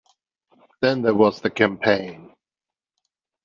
Then there was the campaign.